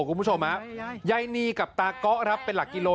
คุณผู้ชมย้ายนีกับตาก๊อเป็นหลักกิโล